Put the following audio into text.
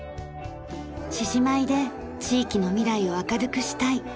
獅子舞で地域の未来を明るくしたい。